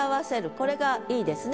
これがいいですね